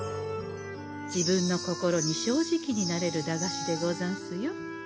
自分の心に正直になれる駄菓子でござんすよ。